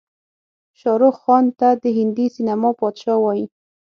شاروخ خان ته د هندي سينما بادشاه وايې.